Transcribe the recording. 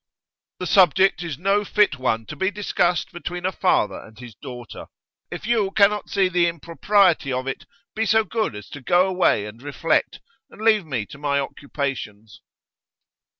'The subject is no fit one to be discussed between a father and his daughter. If you cannot see the impropriety of it, be so good as to go away and reflect, and leave me to my occupations.